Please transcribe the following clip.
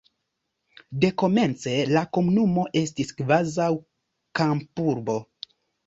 Dekomence la komunumo estis kvazaŭ kampurbo.